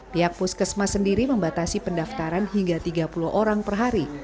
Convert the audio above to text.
pihak puskesmas sendiri membatasi pendaftaran hingga tiga puluh orang per hari